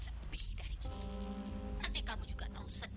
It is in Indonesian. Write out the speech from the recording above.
yaudah pak saya mau pulang